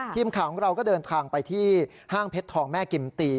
ทีมข่าวของเราก็เดินทางไปที่ห้างเพชรทองแม่กิมตี